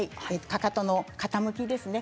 かかとの傾きですね。